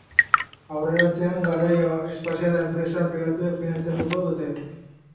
Aurrerantzean garraio espaziala enpresa pribatuek finantzatuko dute.